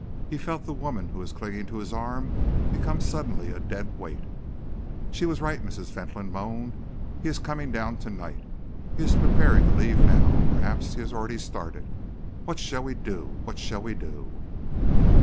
He felt the woman who was clinging to his arm become suddenly a dead weight. "She was right!" Mrs. Fentolin moaned. "He is coming down to night! He is preparing to leave now; perhaps he has already started! What shall we do? What shall we do?"